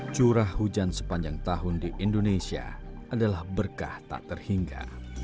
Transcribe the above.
curah hujan sepanjang tahun di indonesia adalah berkah tak terhingga